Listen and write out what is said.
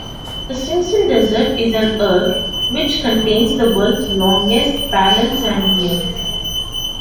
The Simpson Desert is an erg which contains the world's longest parallel sand dunes.